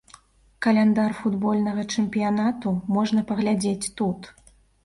Каляндар футбольнага чэмпіянату можна паглядзець тут.